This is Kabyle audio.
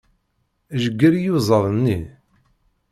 Jeyyel iyuzaḍ-nni.